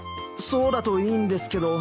そうだといいんですけど。